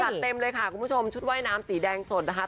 เต็มเลยค่ะคุณผู้ชมชุดว่ายน้ำสีแดงสดนะคะ